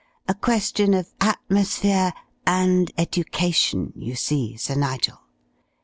A question of atmosphere and education, you see, Sir Nigel."